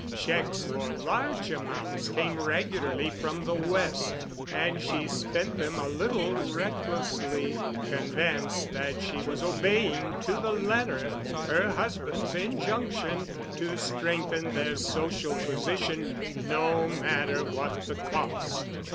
Checks for large amounts came regularly from the West, and she spent them a little recklessly, convinced that she was obeying to the letter her husband's injunction to strengthen their social position, no matter what the cost.